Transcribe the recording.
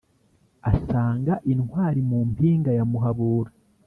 Asanga intwari mu mpinga ya Muhabura